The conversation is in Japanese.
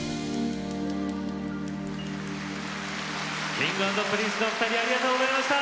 Ｋｉｎｇ＆Ｐｒｉｎｃｅのお二人ありがとうございました。